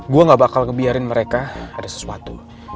gue gak bakal ngebiarin mereka ada sesuatu